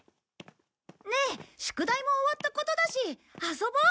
ねえ宿題も終わったことだし遊ぼう！